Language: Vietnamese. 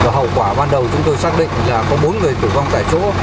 hậu quả ban đầu chúng tôi xác định là có bốn người tử vong tại chỗ